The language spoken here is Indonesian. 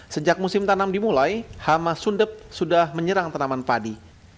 sejak musim tanam dimulai hama sundep sudah menyerang tanaman padi